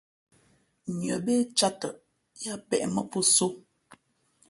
Nʉα bé cāt tαʼ, yáā peʼ mά pō sō.